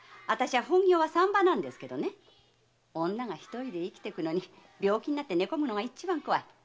本業は産婆ですけど女がひとりで生きていくのに病気で寝込むのが一番怖い。